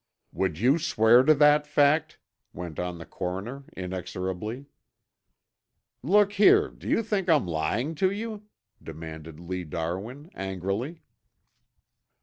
"Would you swear to that fact?" went on the coroner inexorably. "Look here, do you think I'm lying to you?" demanded Lee Darwin, angrily.